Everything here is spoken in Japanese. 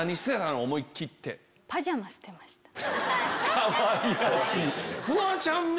かわいらしい！